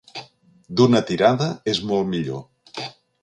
D'una tirada és molt millor.